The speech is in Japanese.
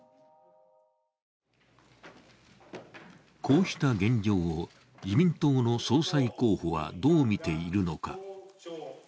こうした現状を、自民党の総裁候補はどう見ているのか。